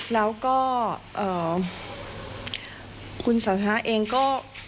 แล้วก็คุณสาธารณะเองก็